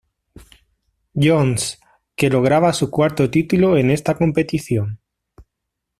John's, que lograba su cuarto título en esta competición.